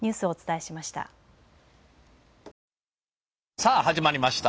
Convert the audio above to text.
さあ始まりました！